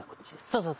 そうそう。